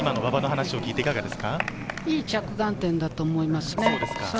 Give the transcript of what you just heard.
いい着眼点だと思います。